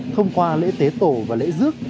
thông qua lễ tế tổ và lễ dước